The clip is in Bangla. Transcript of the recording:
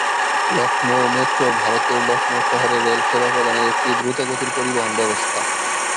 লখনউ মেট্রো ভারতের লখনউ শহরে রেল সেবা প্রদানের একটি দ্রুত গতির পরিবহন ব্যবস্থা।